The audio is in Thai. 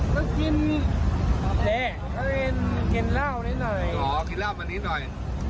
ก็กินโอเคกินเหล้านิดหน่อยขอกินเหล้ามานิดหน่อย